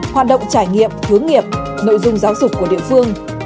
hoạt động trải nghiệm hướng nghiệp nội dung giáo dục của địa phương